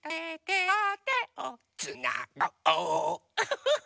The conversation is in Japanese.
フフフ。